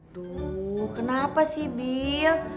duh kenapa sih bill